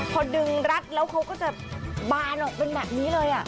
พอดึงรัดแล้วเขาก็จะบานออกเป็นแบบนี้เลย